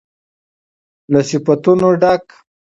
له صفتونو ډک